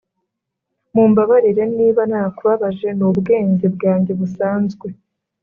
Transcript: mumbabarire niba narakubabaje nubwenge bwanjye busanzwe.